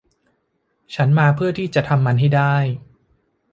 ฉันมาเพื่อจะทำมันให้ได้